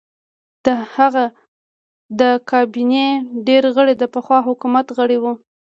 د هغه د کابینې ډېر غړي د پخوا حکومت غړي وو.